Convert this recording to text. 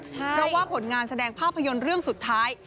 เพราะว่าผลงานแสดงภาพยนตร์เรื่องสุดท้าย